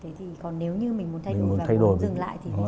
thế thì còn nếu như mình muốn thay đổi và muốn dừng lại thì mình sẽ